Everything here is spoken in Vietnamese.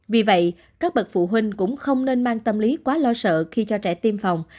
vì vậy các bậc phụ huynh cũng không nên mang tâm lý quá lo sợ khi cho trẻ tiêm phòng